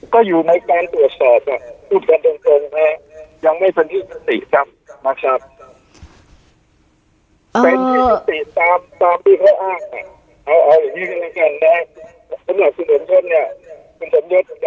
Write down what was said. ก็อยู่ในการตรวจสอบพูดกันตรงนะ